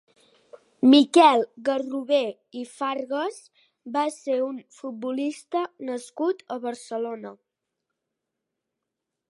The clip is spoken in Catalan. Miquel Garrobé i Fargas va ser un futbolista nascut a Barcelona.